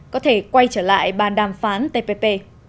có thể quay trở lại bàn đàm phán tpp